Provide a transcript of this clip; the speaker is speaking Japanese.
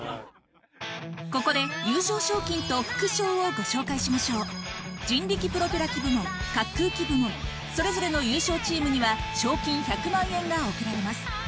ここで優勝賞金と副賞をご紹介しましょう人力プロペラ機部門滑空機部門それぞれの優勝チームには賞金１００万円が贈られます